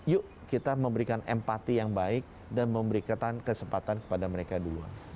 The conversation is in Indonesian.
yuk kita memberikan empati yang baik dan memberikan kesempatan kepada mereka duluan